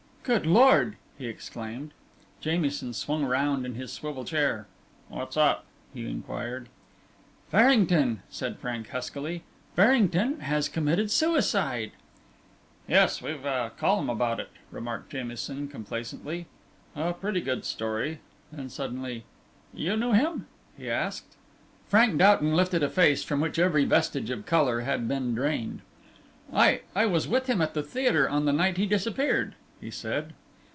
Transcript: "Good Lord!" he exclaimed. Jamieson swung round in his swivel chair. "What's up?" he inquired. "Farrington!" said Frank, huskily. "Farrington has committed suicide!" "Yes, we've a column about it," remarked Jamieson, complacently. "A pretty good story." Then suddenly: "You knew him?" he asked. Frank Doughton lifted a face from which every vestige of colour had been drained. "I I was with him at the theatre on the night he disappeared," he said.